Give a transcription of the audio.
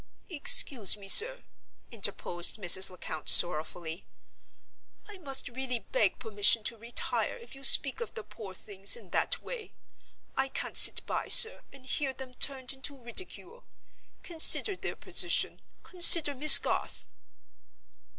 "Excuse me, sir," interposed Mrs. Lecount, sorrowfully. "I must really beg permission to retire if you speak of the poor things in that way. I can't sit by, sir, and hear them turned into ridicule. Consider their position; consider Miss Garth."